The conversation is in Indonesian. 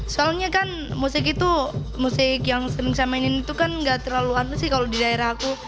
soalnya kan musik itu musik yang sering saya mainin itu kan gak terlalu aneh sih kalau di daerah aku